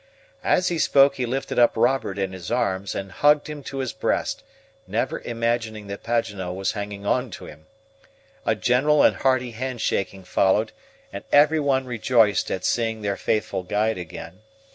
As he spoke he lifted up Robert in his arms, and hugged him to his breast, never imagining that Paganel was hanging on to him. A general and hearty hand shaking followed, and everyone rejoiced at seeing their faithful guide again.